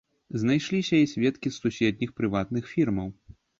Знайшліся і сведкі з суседніх прыватных фірмаў.